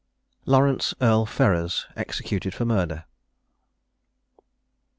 LAURENCE, EARL FERRERS. EXECUTED FOR MURDER.